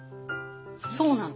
そうなの。